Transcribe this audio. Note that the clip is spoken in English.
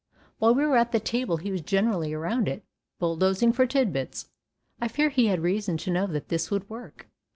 While we were at the table he was generally around it, bulldozing for tid bits—I fear he had reason to know that this would work.